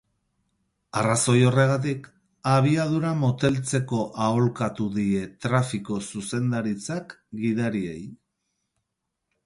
Arrazoi horregatik, abiadura moteltzeko aholkatu die trafiko zuzendaritzak gidariei.